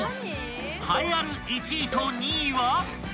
［栄えある１位と２位は］